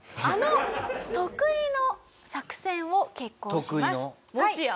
あの得意の作戦を決行します。